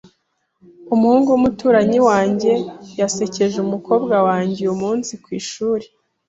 Umuhungu wumuturanyi wanjye yasekeje umukobwa wanjye uyumunsi kwishuri .